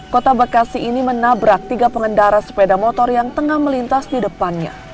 kota bekasi ini menabrak tiga pengendara sepeda motor yang tengah melintas di depannya